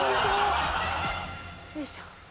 よいしょ。